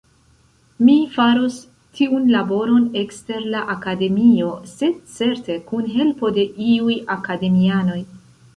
Mi faros tiun laboron ekster la Akademio, sed certe kun helpo de iuj Akademianoj.